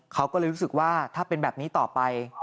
เขาก็เลยรู้สึกว่าถ้าเป็นแบบนี้ต่อไป